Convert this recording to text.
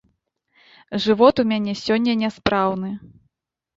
Жывот у мяне сёння няспраўны.